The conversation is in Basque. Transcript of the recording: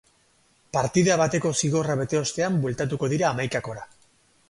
Partida bateko zigorra bete ostean bueltatuko dira hamaikakora.